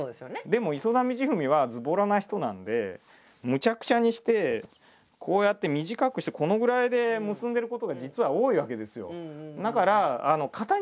でも磯田道史はずぼらな人なんでむちゃくちゃにしてこうやって短くしてこのぐらいで結んでることが実は多いわけですよ。